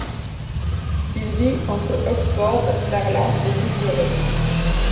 Il vit entre Oxford, Berlin et l'Ile de Ré.